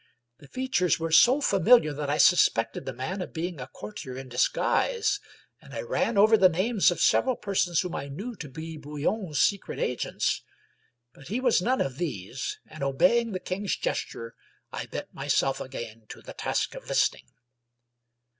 The fea tures were so familiar that I suspected the man of being a courtier in disguise, and I ran over the names of several per sons whom I knew to be Bouillon's secret agents. But he was none of these, and obeying the king's gesture, I bent myself again to the task of listening.